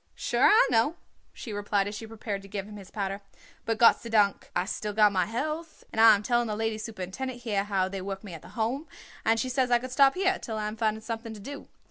"Sure, I know," she replied as she prepared to give him his powder; "but Gott sei dank I still got my health, and I am telling the lady superintendent here how they work me at the Home, and she says I could stop here till I am finding something to do.